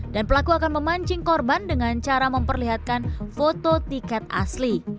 dan pelaku akan memancing korban dengan cara memperlihatkan foto tiket asli